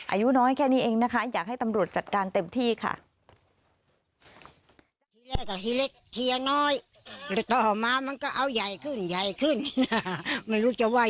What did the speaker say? อายุน้อยแค่นี้เองนะคะอยากให้ตำรวจจัดการเต็มที่ค่ะ